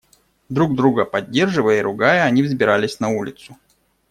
Друг друга поддерживая и ругая они взбирались на улицу.